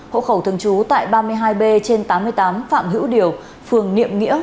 hộ khẩu thường trú tại ba mươi hai b trên tám mươi tám phạm hữu điều phường niệm nghĩa